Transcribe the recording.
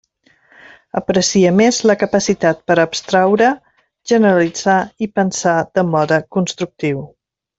Aprecia més la capacitat per a abstraure, generalitzar i pensar de mode constructiu.